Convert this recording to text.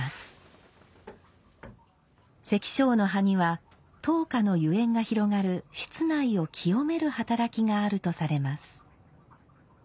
石菖の葉には燈火の油煙が広がる室内を清める働きがあるとされます。